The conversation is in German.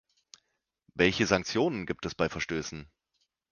Welche Sanktionen gibt es bei Verstößen?